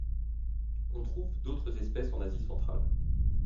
On trouve d'autres espèces en Asie centrale.